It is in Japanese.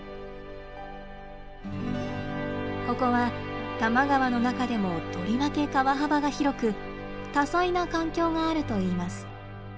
ここは多摩川の中でもとりわけ川幅が広く多彩な環境があるといいます。